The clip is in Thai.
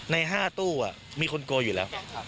ใน๕ตู้มีคนโกยอยู่แล้ว